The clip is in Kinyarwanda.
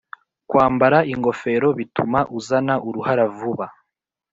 Kwambara ingofero bituma uzana uruhara vuba